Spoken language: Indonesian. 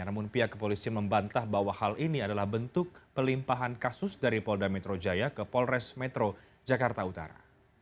namun pihak kepolisian membantah bahwa hal ini adalah bentuk pelimpahan kasus dari polda metro jaya ke polres metro jakarta utara